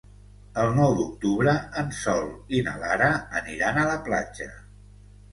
El nou d'octubre en Sol i na Lara aniran a la platja.